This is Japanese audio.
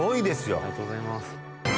ありがとうございます。